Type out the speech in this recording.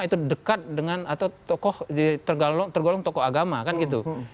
itu dekat dengan atau tokoh tergolong tokoh agama kan gitu